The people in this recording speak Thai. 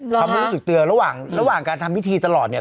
เขาไม่รู้สึกตัวระหว่างการทำพิธีตลอดเนี่ย